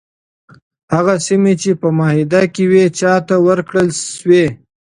هغه سیمي چي په معاهده کي وي چاته ورکړل شوې؟